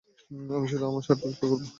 আমি শুধু আমার শার্ট পরিষ্কার করবো।